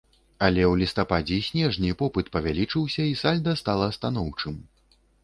Але у лістападзе і снежні попыт павялічыўся, і сальда стала станоўчым.